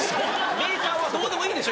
メーカーはどうでもいいでしょ